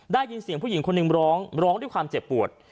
ได้ยินเสียงผู้หญิงคนหนึ่งร้องร้องด้วยความเจ็บปวด